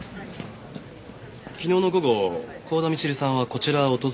昨日の午後幸田みちるさんはこちらを訪れましたね？